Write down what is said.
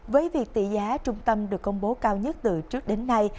với việc tỷ giá trung tâm được công bố cao nhất từ trước đến nay